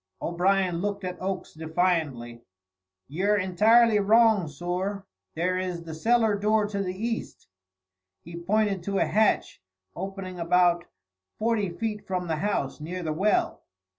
O'Brien looked at Oakes defiantly. "Yer intirely wrong, sorr. There is the cellar door to the east." He pointed to a hatch, opening about forty feet from the house, near the well.